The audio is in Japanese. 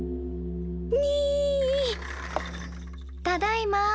ただいま。